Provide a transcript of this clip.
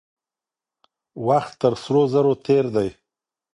وخت تر سرو زرو تېر دی.